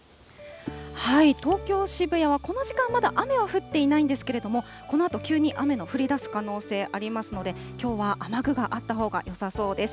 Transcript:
東京・渋谷は、この時間、まだ雨は降っていないんですけれども、このあと急に雨が降りだす可能性ありますので、きょうは雨具があったほうがよさそうです。